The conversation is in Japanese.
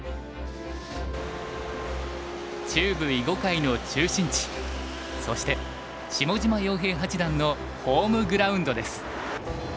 中部囲碁界の中心地そして下島陽平八段のホームグラウンドです。